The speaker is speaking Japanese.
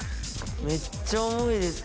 めっちゃ重いです。